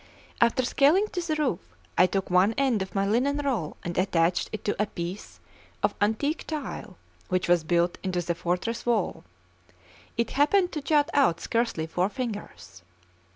After scaling the roof, I took one end of my linen roll and attached it to a piece of antique tile which was built into the fortress wall; it happened to jut out scarcely four fingers.